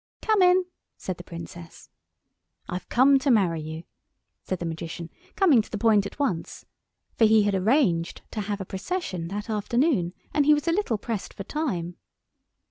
"Come in," said the Princess. "I've come to marry you," said the Magician, coming to the point at once; for he had arranged to have a procession that afternoon, and he was a little pressed for time.